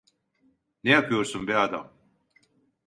Ne yapıyorsun be adam?